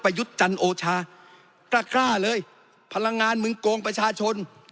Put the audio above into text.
ไปยุดจันโอชาระเลยพลังงานมึงกงประชาชน